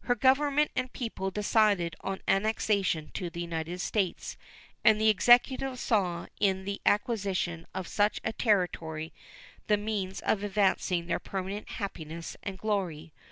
Her Government and people decided on annexation to the United States, and the Executive saw in the acquisition of such a territory the means of advancing their permanent happiness and glory.